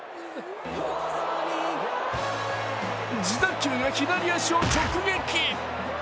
自打球が左足を直撃。